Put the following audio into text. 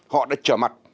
họ đã trở mặt